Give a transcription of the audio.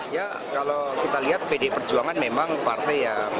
ya kalau kita lihat pd perjuangan memang partai yang